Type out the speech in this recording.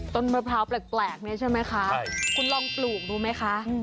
มะพร้าวแปลกเนี่ยใช่ไหมคะคุณลองปลูกดูไหมคะ